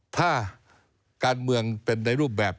ถ้าการเมืองเป็นในรูปแบบ